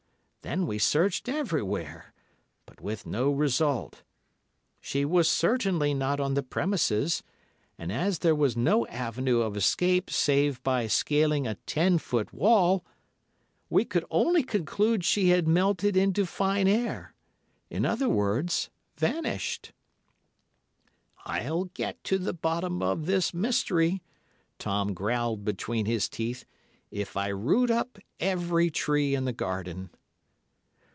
Then we searched everywhere, but with no result. She was certainly not on the premises, and as there was no avenue of escape save by scaling a ten foot wall, we could only conclude she had melted into fine air, in other words—vanished. "'I'll get to the bottom of this mystery,' Tom growled between his teeth, 'if I root up every tree in the garden.